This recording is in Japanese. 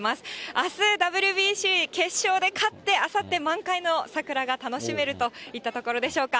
あす、ＷＢＣ決勝で勝って、あさって満開の桜が楽しめるといったところでしょうか。